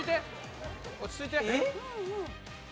落ち着いて。